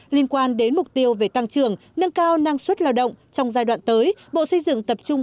liên quan đến mục tiêu về tăng trưởng nâng cao năng suất lao động trong giai đoạn tới bộ xây dựng tập trung